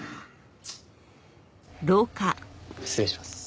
失礼します。